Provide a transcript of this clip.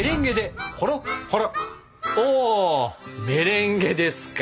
おおメレンゲですか。